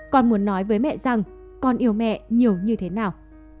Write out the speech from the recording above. con muốn nói với mẹ rằng con yêu mẹ nhiều như thế nào